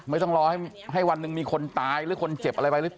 ไม่ต้องรอให้วันหนึ่งมีคนตายหรือคนเจ็บอะไรไปหรือเปล่า